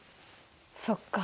そっか。